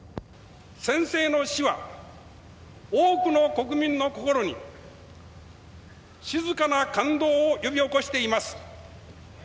先生の死は、多くの国民の心に静かな感動を呼び起こしています。